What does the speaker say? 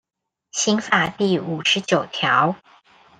刑法第五十九條